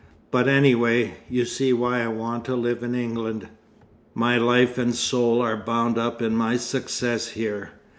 But anyway, you see why I want to live in England. My life and soul are bound up in my success here.